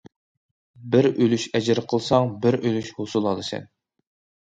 بىر ئۈلۈش ئەجىر قىلساڭ، بىر ئۈلۈش ھوسۇل ئالىسەن.